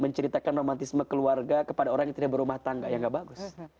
menceritakan romantisme keluarga kepada orang yang tidak berumah tangga yang gak bagus